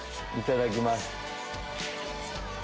いただきます。